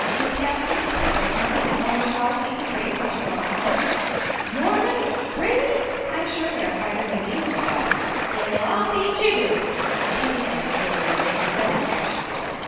We passed his place this morning and wondered how he could raise such enormous melons." "'Normous! Brayley's!" "I'm sure they are finer than these," said Beth. "Well, I'll be jiggered!" Peggy's eyes stared as they had never stared before.